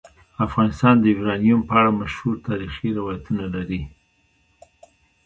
افغانستان د یورانیم په اړه مشهور تاریخی روایتونه لري.